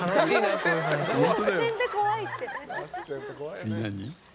次、何？